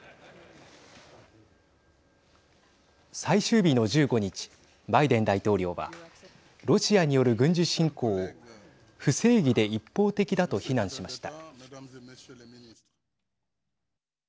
最終日の１５日バイデン大統領はロシアによる軍事侵攻を不正義で一方的だと非難しました。